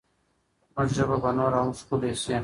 زموږ ژبه به نوره هم ښکلې شي.